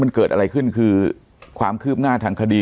มันเกิดอะไรขึ้นคือความคืบหน้าทางคดี